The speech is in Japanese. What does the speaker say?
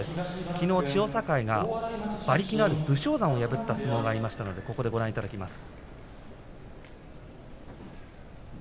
きのう千代栄、馬力のある武将山を破った相撲がありますご覧いただきます。